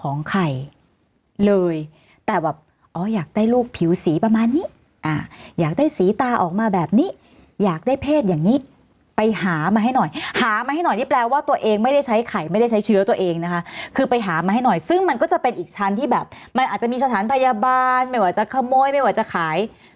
ไข่เลยแต่แบบอ๋ออยากได้ลูกผิวสีประมาณนี้อ่าอยากได้สีตาออกมาแบบนี้อยากได้เพศอย่างนี้ไปหามาให้หน่อยหามาให้หน่อยนี่แปลว่าตัวเองไม่ได้ใช้ไข่ไม่ได้ใช้เชื้อตัวเองนะคะคือไปหามาให้หน่อยซึ่งมันก็จะเป็นอีกชั้นที่แบบมันอาจจะมีสถานพยาบาลไม่ว่าจะขโมยไม่ว่าจะขาย